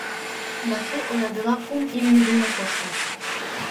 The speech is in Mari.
Васу орадыла кум имне дене коштын...